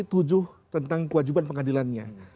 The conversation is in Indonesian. tentang kewajiban pengadilannya